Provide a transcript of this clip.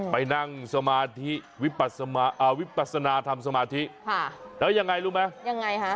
ไปนั่งสมาธิวิปัสนาทำสมาธิแล้วยังไงรู้ไหม